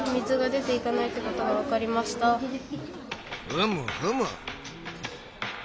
ふむふむ。